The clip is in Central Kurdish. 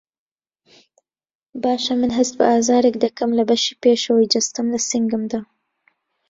باشه من هەست بە ئازارێک دەکەم لە بەشی پێشەوەی جەستەم له سنگمدا